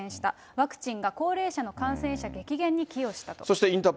ワクチンが高齢者の感染者激減に寄与したと。